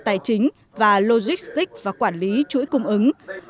tài chính và logistics và quản lý chuỗi cung ứng